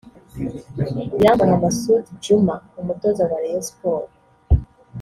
Irambona Masud Djuma (Umutoza wa Rayon Sports)